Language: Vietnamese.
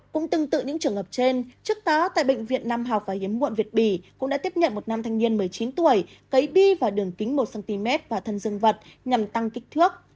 cũng tương tự những trường hợp trên trước đó tại bệnh viện nam học và hiếm muộn việt bỉ cũng đã tiếp nhận một nam thanh niên một mươi chín tuổi cấy bi vào đường kính một cm vào thân dương vật nhằm tăng kích thước